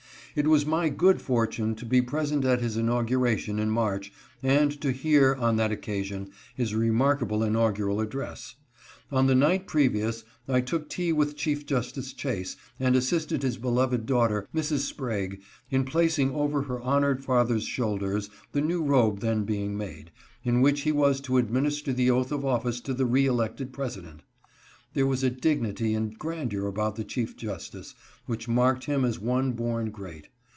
It was my good fortune to be present at his inauguration in March, and to hear on that occasion his remarkable inaugural address. On the night previous I took tea with Chief Justice Chase and assisted his beloved daughter, Mrs. Sprague, in placing over her honored father's shoulders the new robe then being made, in which he was to administer the oath of office to the reelected President. There was a dignity and gran deur about the Chief Justice which marked him as one born great.